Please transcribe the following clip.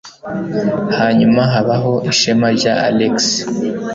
Hanyuma habaho ishema rya Alex.